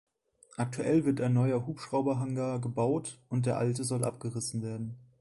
Aktuell wird ein neuer Hubschrauber-Hangar gebaut und der alte soll abgerissen werden.